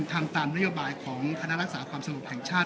ทำตามนโยบายของคณะรักษาความสงบแห่งชาติ